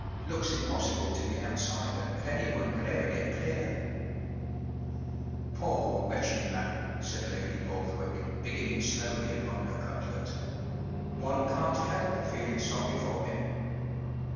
Looks impossible to the outsider that anyone could ever get clear.” “ Poor, wretched man ! ” said Lady Borth¬ wick, beginning slowly upon her cutlet. “ One can’t help feeling sorry for him.